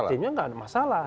kalau timnya tidak ada masalah